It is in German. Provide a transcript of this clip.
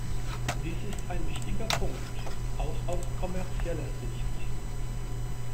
Dies ist ein wichtiger Punkt, auch aus kommerzieller Sicht.